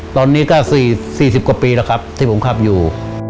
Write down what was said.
ตอนนี้ก็๔๐กว่าปีที่ผมขับอยู่